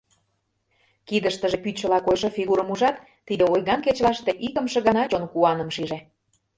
Кидыштыже пӱчыла койшо фигурым ужат, тиде ойган кечылаште икымше гана чон куаным шиже.